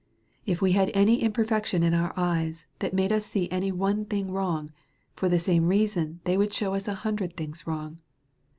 If we had any imperfection in our eyes, that made us see any one thing wrong', for the same reason they would shew us an hundred things wrong.